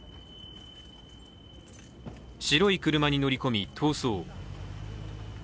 白い車に乗り込み逃走。